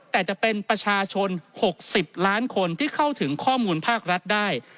แต่จะเป็นประชาชน๖๐ล้านคนที่เข้าถึงข้อมูลภาครัฐได้